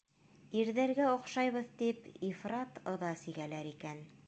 Ирҙәргә оҡшайбыҙ тип, ифрат ыҙа сигәләр икән.